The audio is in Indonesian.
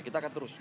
kita akan terus